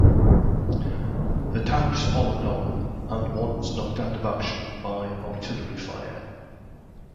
The tanks followed on, and one was knocked out of action by artillery fire.